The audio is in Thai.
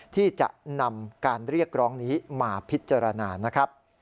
ที่จะนำการเรียกร้องนี้มาพิจารณานะครับ